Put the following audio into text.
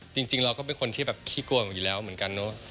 จริงเราก็เป็นคนที่แบบขี้กลัวอยู่แล้วเหมือนกันเนอะ